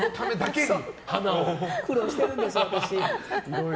苦労してるんですよ、私。